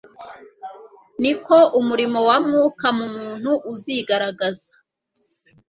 Ni ko umurimo wa Mwuka mu muntu uzigaragaza